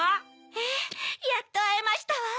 ええやっとあえましたわ。